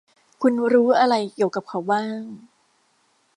คุณรู้อะไรเกี่ยวกับเขาบ้าง